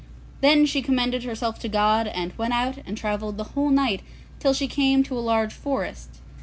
Then she commended herself to God, and went out and travelled the whole night till she came to a large forest.